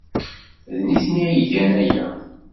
D nitni ay igan aya.